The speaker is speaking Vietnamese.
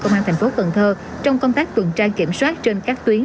công an thành phố cần thơ trong công tác tuần tra kiểm soát trên các tuyến